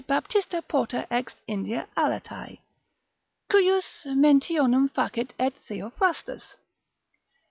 Baptista Porta ex India allatae, cujus mentionem facit et Theophrastus.